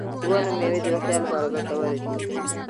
د ونو میوې د روغتیا لپاره ګټورې دي.